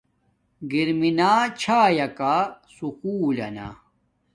گر مینا چھایا کا سکُول لنا